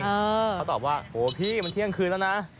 เขาตอบว่าโอ้พี่มันเที่ยงคืนแล้วนะ